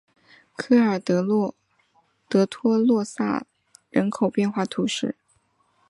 科尔德托洛萨纳人口变化图示